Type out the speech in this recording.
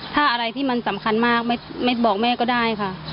ถ้าอะไรที่มันสำคัญมากไม่บอกแม่ก็ได้ค่ะ